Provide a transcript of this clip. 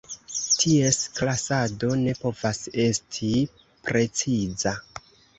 Ties klasado, ne povas esti preciza.